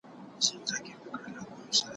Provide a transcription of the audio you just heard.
لس پنځلس ورځي وروسته وه جشنونه